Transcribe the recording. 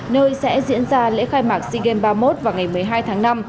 nơi sẽ diễn ra lễ khai mạc sea games ba mươi một vào ngày một mươi hai tháng năm